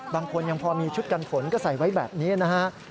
บางคนยังพอมีชุดกันฝนก็ใส่ไว้แบบนี้นะฮะ